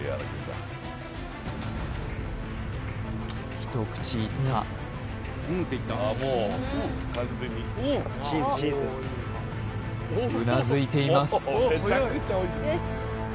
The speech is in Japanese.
一口いったうなずいています